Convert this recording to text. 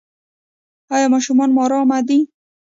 ایا ماشوم مو ارام دی؟